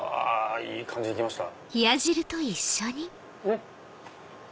いい感じにいきました。